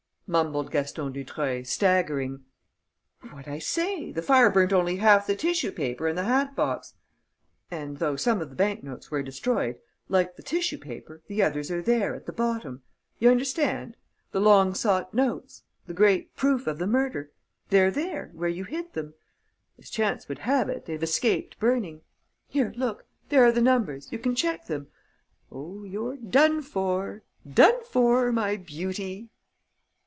mumbled Gaston Dutreuil, staggering. "What I say: the fire burnt only half the tissue paper and the hat box; and, though some of the bank notes were destroyed, like the tissue paper, the others are there, at the bottom.... You understand? The long sought notes, the great proof of the murder: they're there, where you hid them.... As chance would have it, they've escaped burning.... Here, look: there are the numbers; you can check them.... Oh, you're done for, done for, my beauty!"